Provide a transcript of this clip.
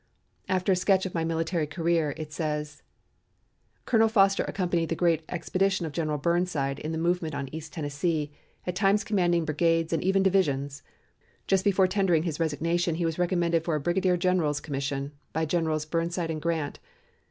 After a sketch of my military career, it says: Colonel Foster accompanied the expedition of General Burnside in the movement on East Tennessee, at times commanding brigades and even divisions. Just before tendering his resignation he was recommended for a brigadier general's commission by Generals Burnside and Grant.